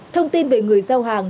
thông tin về người giao hàng